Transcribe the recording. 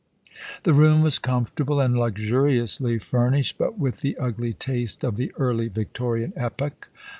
The room was comfortable, and luxuriously furnished, but with the ugly taste of the Early Victorian epoch.